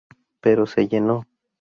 Pero se llenó.